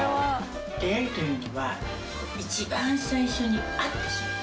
出会いというのは一番最初に会った瞬間